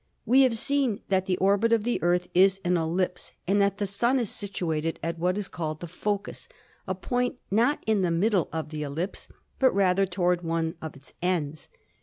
"We have seen that the orbit of the Earth is an ellipse and that the Sun is situated at what is called the focus, a point not in the middle of the ellipse, but rather toward one of its ends.